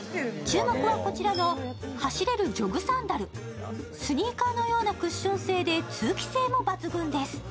注目はこちらの走れるＪｏｇサンダルスニーカーのようなクッション性で通気性も抜群です。